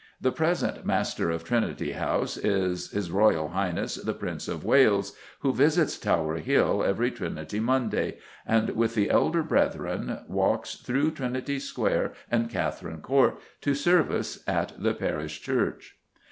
The present Master of Trinity House is H.R.H. the Prince of Wales, who visits Tower Hill every Trinity Monday, and, with the Elder Brethren, walks through Trinity Square and Catherine Court to service at the parish church.